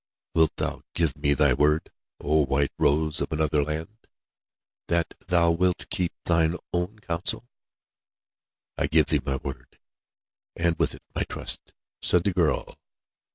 Wilt thou give me thy word, O White Rose of another land, that thou wilt keep thine own counsel?" "I give thee my word and with it my trust," said the girl.